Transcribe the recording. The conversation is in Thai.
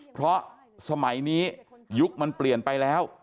เพราะสมัยนี้ยุคมันเปลี่ยนไปแล้ว